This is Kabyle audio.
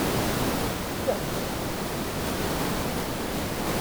Ddehmeẓ.